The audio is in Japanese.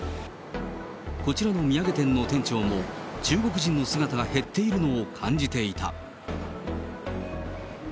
こちらの土産店の店長も、中国人の姿が減っているのを感じていた。